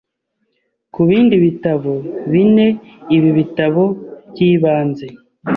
kubindi bitabo bine Ibi bitabo byibanze